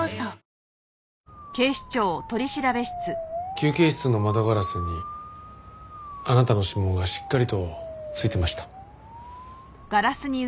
休憩室の窓ガラスにあなたの指紋がしっかりとついてました。